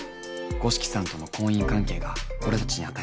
五色さんとの婚姻関係が俺たちに与える影響。